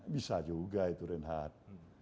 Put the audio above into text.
bisa juga itu renhar